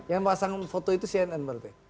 yang pasang foto itu cnn berarti